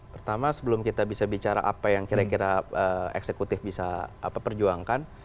pertama sebelum kita bisa bicara apa yang kira kira eksekutif bisa perjuangkan